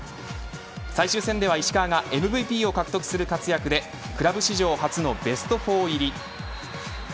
最終戦では、石川がＭＶＰを獲得する活躍でクラブ史上初のベスト４入り。